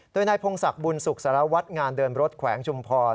โดยนายพงศักดิ์บุญสุขสารวัตรงานเดินรถแขวงชุมพร